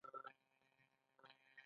آیا د پښتو ویل زموږ ویاړ نه دی؟